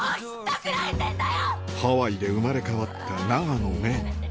ハワイで生まれ変わった永野芽郁。